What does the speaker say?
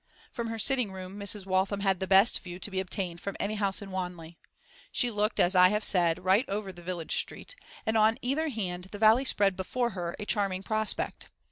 From her sitting room Mrs. Waltham had the best view to be obtained from any house in Wanley; she looked, as I have said, right over the village street, and on either hand the valley spread before her a charming prospect.